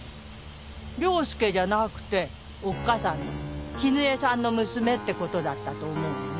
良介じゃなくておっかさんの絹江さんの娘って事だったと思うがね。